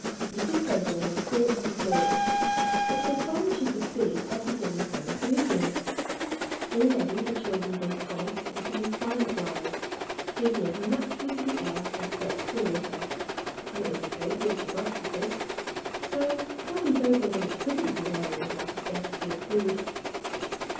Mrs. Bobolink thought and thought. But so far as she could see everything was going smoothly. Already the children gave promise of becoming fine fliers, taking as naturally to the air as ducks to water. And it was a great year for grasshoppers; so Bobby Bobolink couldn't be worrying about a scarcity of food.